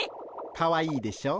かわいいでしょう？